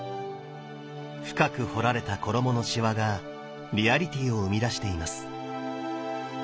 深く彫られた衣のしわがリアリティーを生み出しています。